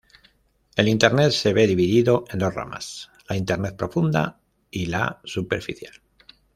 El internet se ve dividido en dos ramas, la internet profunda y la superficial.